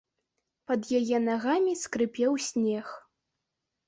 Пад яе нагамі скрыпеў снег.